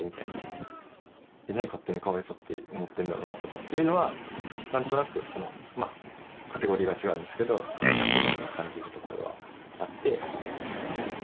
何勝手にかわいそうって思ってるんだろうなとかっていうのは何となくまあカテゴリーが違うんですけど近しいものを感じるところはあって。